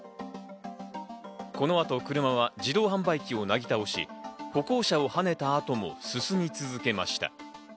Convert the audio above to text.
この後、車は自動販売機をなぎ倒し、歩行者をはねた後も進み続けました。